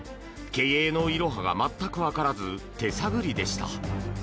経営のいろはが全く分からず手探りでした。